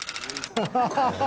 ハハハハ。